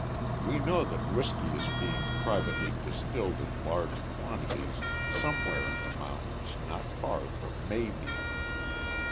We know that whisky is being privately distilled in large quantities somewhere in the mountains not far from Maymead.